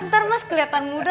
ntar mas kelihatan muda